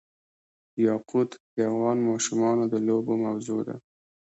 یاقوت د افغان ماشومانو د لوبو موضوع ده.